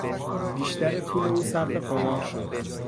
بیشتر پول او صرف قمار شد.